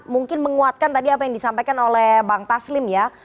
mungkin menguatkan tadi apa yang disampaikan oleh bang taslim ya